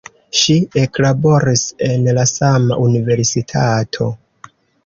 Ŝi eklaboris en la sama universitato.